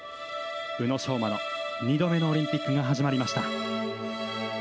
宇野昌磨の２度目のオリンピックが始まりました。